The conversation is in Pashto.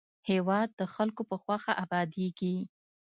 هېواد د خلکو په خوښه ابادېږي.